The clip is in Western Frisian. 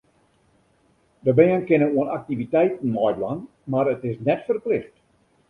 De bern kinne oan aktiviteiten meidwaan, mar it is net ferplicht.